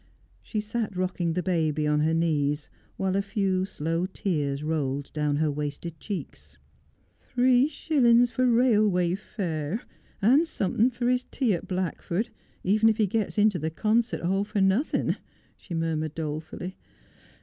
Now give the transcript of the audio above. She sat rocking the baby on her knees, while a few slow tears rolled down her wasted cheeks. ' Three shillings for railway fare, and something for his tea at Blackford, even if he gets into the concert all for nothing,' she murmured dolefully.